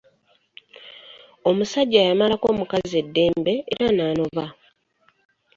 Omusajja yamalako mukazi eddembe era nanoba.